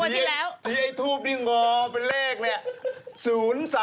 ที่ไอ้ทูปนี่หมอเป็นเลขเนี่ย